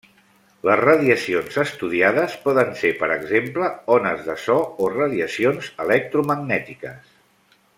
Les radiacions estudiades poden ser, per exemple, ones de so o radiacions electromagnètiques.